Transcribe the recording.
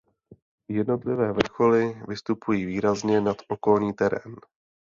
Jednotlivé vrcholy vystupují výrazně nad okolní terén.